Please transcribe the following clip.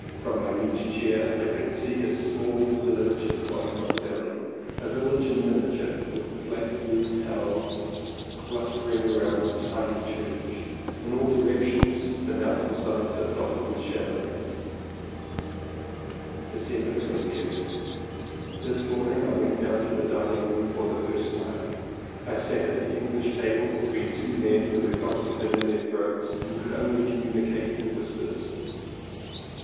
From my liege chair I could see a small village at the bottom of the valley, a village in miniature, with flat roofed houses clustering round a tiny church. In all directions the mountain sides are dotted with chalets. December 20th. This morning I went down to the dining room for the first time. I sat at the English table between two men who had got the thing in their throats and could only communicate in whispers.